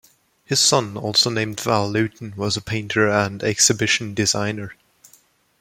His son, also named Val Lewton, was a painter and exhibition designer.